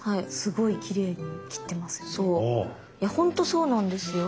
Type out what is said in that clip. いやほんとそうなんですよ。